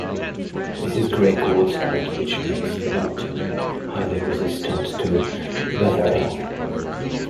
This is gray quartzite, which makes the mountain highly resistant to weathering.